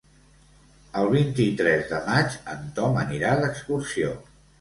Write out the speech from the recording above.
El vint-i-tres de maig en Tom anirà d'excursió.